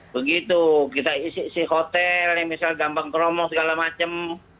begitu kita isi isi hotel nih misal gampang keromong segala macem